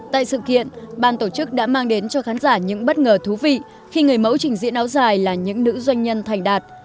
tại sự kiện ban tổ chức đã mang đến cho khán giả những bất ngờ thú vị khi người mẫu trình diễn áo dài là những nữ doanh nhân thành đạt